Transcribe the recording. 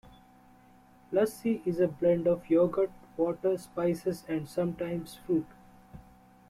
Lassi is a blend of yogurt, water, spices and sometimes fruit.